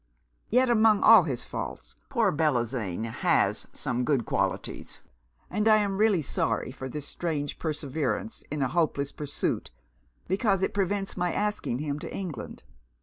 _' 'Yet, among all his faults, poor Bellozane has some good qualities; and I am really sorry for this strange perseverance in an hopeless pursuit, because it prevents my asking him to England.